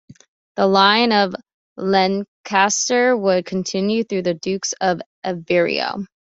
The line of Lencastre would continue through the Dukes of Aveiro.